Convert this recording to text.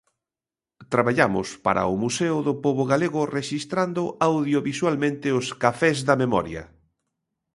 Traballamos para o Museo do Pobo Galego rexistrando audiovisualmente os Cafés da Memoria.